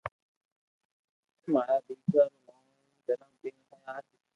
مارا ديڪرا رو جنم دن ھي آج